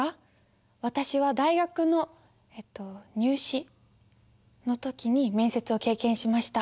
私は大学のえっと入試の時に面接を経験しました。